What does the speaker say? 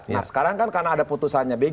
nah sekarang kan karena ada putusannya